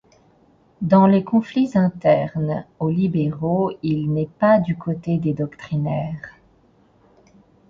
Dans les conflits internes aux libéraux il n'est pas du côté des doctrinaires.